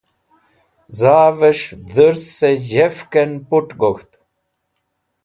Kas̃hves̃h dhũrsẽ z̃hevkẽn put gokẽt